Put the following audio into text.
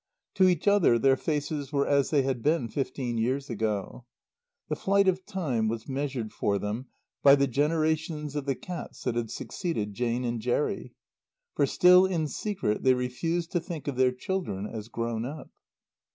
To each other their faces were as they had been fifteen years ago. The flight of time was measured for them by the generations of the cats that had succeeded Jane and Jerry. For still in secret they refused to think of their children as grown up.